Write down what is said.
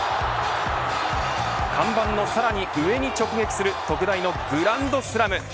看板のさらに上に直撃する特大のグランドスラム。